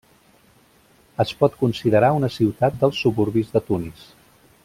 Es pot considerar una ciutat dels suburbis de Tunis.